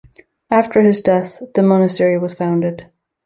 After his death, the monastery was founded.